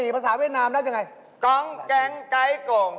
ภาษาเวียดนามแปลว่าไง